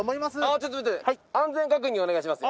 ちょっと待って、安全確認お願いします。